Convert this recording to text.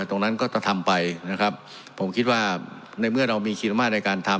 ตรงนั้นก็จะทำไปนะครับผมคิดว่าในเมื่อเรามีคีรมาตรในการทำ